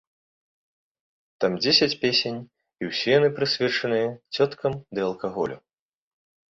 Там дзесяць песень і ўсе яны прысвечаныя цёткам ды алкаголю.